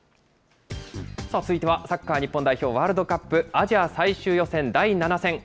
さあ続いてはサッカー日本代表、ワールドカップアジア最終予選第７戦。